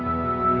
aku mau bantuin